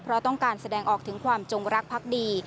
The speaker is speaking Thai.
เพราะต้องการแสดงออกถึงความจงรักพักดี